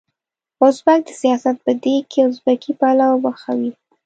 ازبک د سياست په دېګ کې ازبکي پلو پخوي.